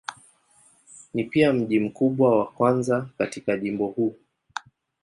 Ni pia mji mkubwa wa kwanza katika jimbo huu.